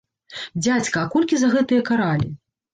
Дзядзька, а колькі за гэтыя каралі?